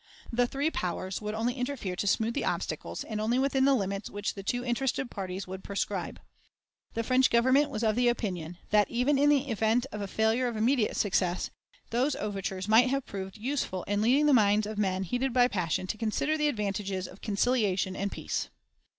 The three powers would only interfere to smooth the obstacles, and only within the limits which the two interested parties would prescribe. The French Government was of the opinion that, even in the event of a failure of immediate success, those overtures might have proved useful in leading the minds of men heated by passion to consider the advantages of conciliation and peace.